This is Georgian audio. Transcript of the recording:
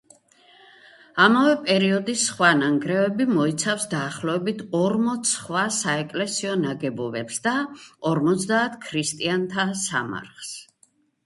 ამავე პერიოდის სხვა ნანგრევები მოიცავს დაახლოებით ორმოც სხვა საეკლესიო ნაგებობებს და ორმოცდაათ ქრისტიანთა სამარხს.